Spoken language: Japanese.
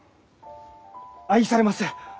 愛されます！